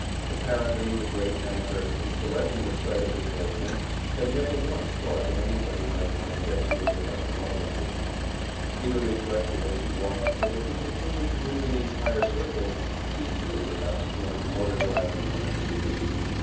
Apparently the great banker, in selecting the site of his residence, had never once thought that anybody might want to get to it without an automobile. Peter reflected as he walked that if he continued to move in these higher circles, he too would have to join the motor driving class.